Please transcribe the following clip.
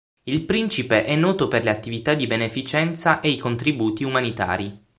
Il principe è noto per le attività di beneficenza e i contributi umanitari.